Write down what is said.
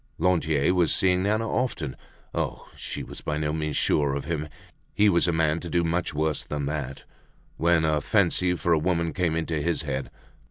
Lantier was seeing Nana often. Oh! she was by no means sure of him; he was a man to do much worse than that, when a fancy for a woman came into his head.